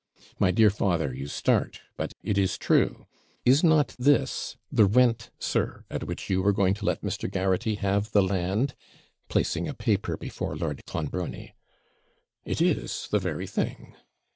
My dear father, you start but it is true. Is not this the rent, sir, at which you were going to let Mr. Garraghty have the land?' placing a paper before Lord Clonbrony. 'It is the very thing.'